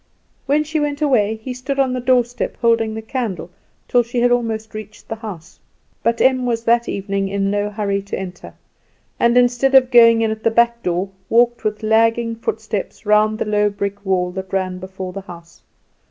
When she went away he stood on the doorstep holding the candle till she had almost reached the house. But Em was that evening in no hurry to enter, and, instead of going in at the back door, walked with lagging footsteps round the low brick wall that ran before the house.